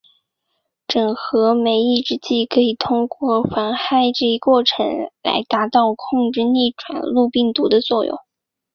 整合酶抑制剂可以通过妨害这一过程来达到控制逆转录病毒的作用。